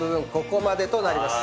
ここまでとなります。